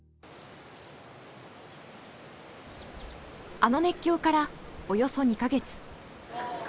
あの熱狂からおよそ２か月。